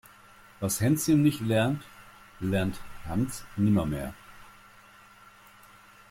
Was Hänschen nicht lernt, lernt Hans nimmer mehr.